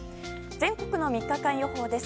全国の３日間予報です。